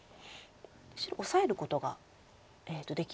白オサえることができる。